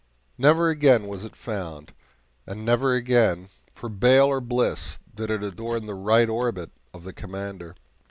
Never again was it found, and never again, for bale or bliss, did it adorn the right orbit of the Commander.